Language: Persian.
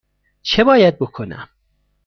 چه باید بکنم؟